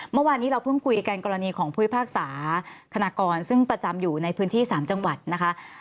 เมื่อวานนี้เราเพิ่งคุยกันกรณีของผู้พิพากษาคณะกรซึ่งประจำอยู่ในพื้นที่๓จังหวัดนะคะ